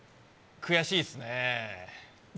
悔しいですね？